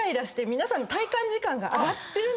皆さんの体感時間が上がってる。